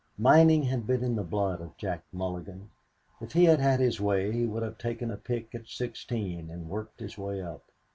Mining had been in the blood of Jack Mulligan. If he had had his way he would have taken a pick at sixteen, and worked his way up.